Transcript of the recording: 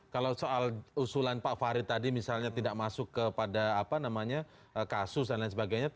kalau soal usulan pak farid tadi misalnya tidak masuk kepada kasus dan lain sebagainya